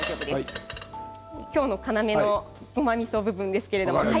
今日の要のごまみその部分です。